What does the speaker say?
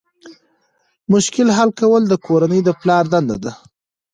مشکل حل کول د کورنۍ د پلار دنده ده.